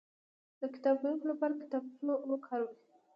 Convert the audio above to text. د کتاب ويونکي لپاره کتابڅوبی وکاروئ